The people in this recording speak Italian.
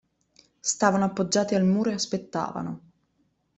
Stavano appoggiati al muro e aspettavano.